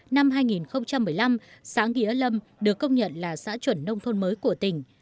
năm hai nghìn một mươi năm xã nghĩa lâm được công nhận là xã chuẩn nông thôn mới của tỉnh